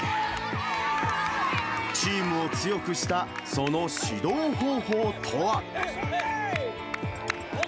チームを強くしたその指導方法とは。